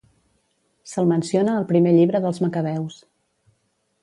Se'l menciona al Primer llibre dels Macabeus.